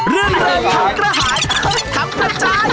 เรื่องเรื่องทั้งระหารทั้งประจาย